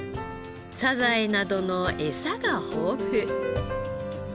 サザエなどの餌が豊富。